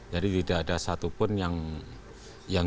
jadi tidak ada satupun yang